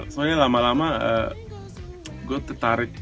soalnya lama lama gue tertarik